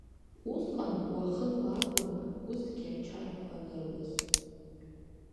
Усҟан уахынла акәын усгьы ачарақәа аныруаз.